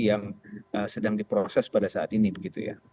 yang sedang diproses pada saat ini begitu ya